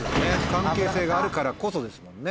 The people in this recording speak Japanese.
関係性があるからこそですもんね。